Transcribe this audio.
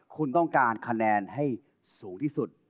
คุณต้องการคะแนนให้สูงที่สุด